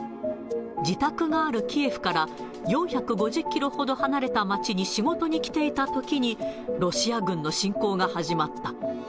自宅があるキエフから、４５０キロほど離れた街に仕事に来ていたときに、ロシア軍の侵攻が始まった。